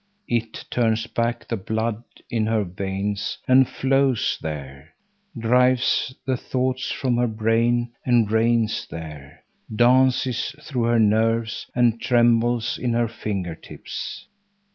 "It" turns back the blood in her veins and flows there, drives the thoughts from her brain and reigns there, dances through her nerves and trembles in her finger tips.